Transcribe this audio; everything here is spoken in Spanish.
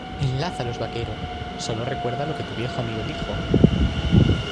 Enlázalos, vaquero. Sólo recuerda lo que tu viejo amigo dijo .